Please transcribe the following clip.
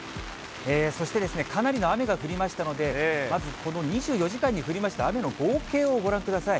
そしてですね、かなりの雨が降りましたので、まずこの２４時間に降りました雨の合計をご覧ください。